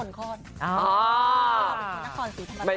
อ๋อนครสีธรรมดา